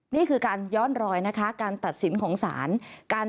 นี่คือการย้อนรอยนะคะการตัดสินของศาล